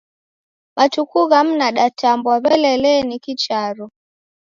Matuku ghamu nadatambwa w'ele lee niki charo.